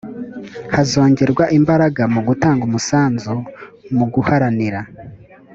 hazongerwa imbaraga mu gutanga umusanzu mu guharanira